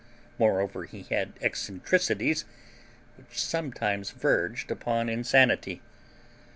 Moreover, he had eccentricities which sometimes verged upon insanity.